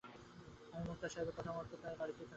আমি মোক্তার সাহেবের কথামতো তাঁর বাড়িতেই থাকতে লাগলাম।